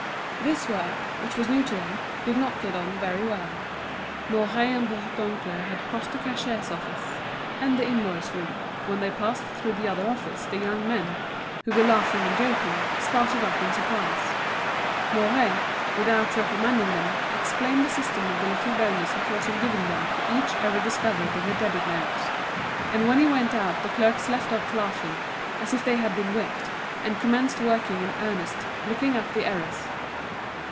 This work, which was new to them, did not get on very well. Mouret and Bourdoncle had crossed the cashiers' office and the invoice room. When they passed through the other office the young men, who were laughing and joking, started up in surprise. Mouret, without reprimanding them, explained the system of the little bonus he thought of giving them for each error discovered in the debit notes; and when he went out the clerks left off laughing, as if they had been whipped, and commenced working in earnest, looking up the errors.